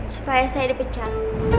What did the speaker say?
supaya saya dipecat